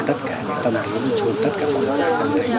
để tất cả những tâm hồn tất cả những vụ này